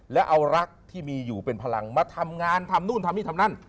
และเอารักที่มีอยู่เป็นพลังมาทำงานทำนู่นทำนี่ทำนั่น